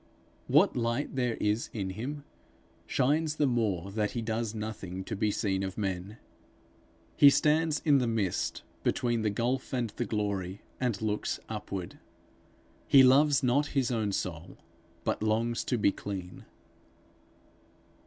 What light there is in him shines the more that he does nothing to be seen of men. He stands in the mist between the gulf and the glory, and looks upward. He loves not his own soul, but longs to be clean.